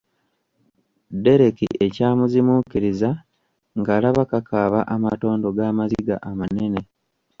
Dereki ekyamuzimuukiriza ng'alaba kakaaba amatondo g'amaziga amanene.